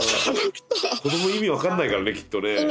子ども意味分かんないからねきっとね。